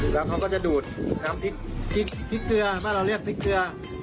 แล้วเขาก็จะดูดน้ำพริกเกลือเมื่อเราเรียกพริกเกลือ